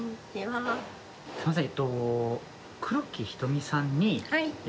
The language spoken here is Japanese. すみません。